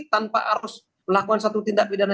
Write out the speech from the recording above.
tanpa harus melakukan satu tindak pidana